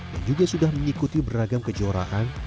yang juga sudah mengikuti beragam kejuaraan